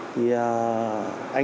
thì anh tôi